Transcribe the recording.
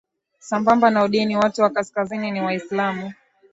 sambamba na udini Watu wa Kaskazini ni Waislamu